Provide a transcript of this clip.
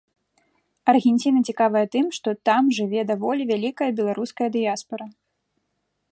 Аргенціна цікавая тым, што там жыве даволі вялікая беларуская дыяспара.